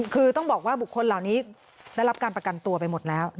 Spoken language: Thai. คือต้องบอกว่าบุคคลเหล่านี้ได้รับการประกันตัวไปหมดแล้ว